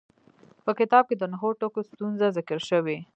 په کتاب کې د نهو ټکو ستونزه ذکر شوې.